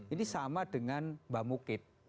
ini sama dengan mbak mukit